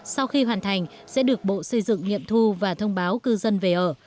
sau khi hoàn thành sẽ được bộ xây dựng nghiệm thu và thông báo cư dân về ở